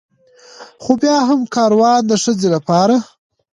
خو بيا هم کاروان د ښځې لپاره